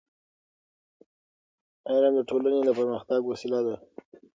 علم د ټولنې د پرمختګ وسیله ده.